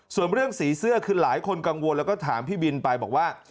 ส่วนเรื่องสีเสื้อคือหลายคนกังวลแล้วก็ถามพี่บินไปบอกว่า